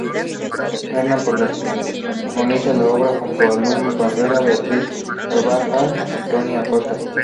Bardem protagoniza la obra junto a Llum Barrera, Beatriz Carvajal y Toni Acosta.